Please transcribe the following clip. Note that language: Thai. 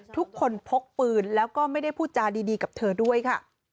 ทุกคนพกปืนแล้วก็ไม่ได้พูดจาดีกับเธอด้วยค่ะ